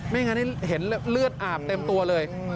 งั้นเห็นเลือดอาบเต็มตัวเลย